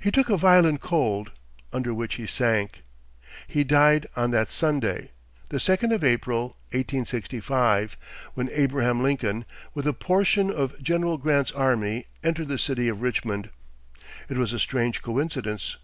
He took a violent cold, under which he sank. He died on that Sunday, the second of April, 1865, when Abraham Lincoln, with a portion of General Grant's army, entered the city of Richmond. It was a strange coincidence.